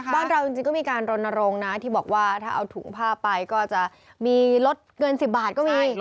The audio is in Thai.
บ้านเราจริงก็มีการรณรงค์นะที่บอกว่าถ้าเอาถุงผ้าไปก็จะมีลดเกิน๑๐บาทก็มี